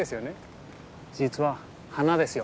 実は花ですよ。